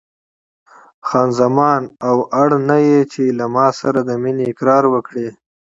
خان زمان: او اړ نه یې چې له ما سره د مینې اقرار وکړې.